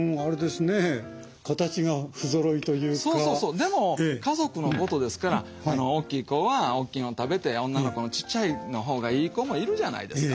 でも家族のことですから大きい子は大きいの食べて女の子のちっちゃいのほうがいい子もいるじゃないですか。